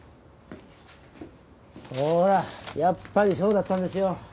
ほらやっぱりそうだったんですよ。